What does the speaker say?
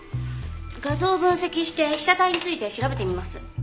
画像を分析して被写体について調べてみます。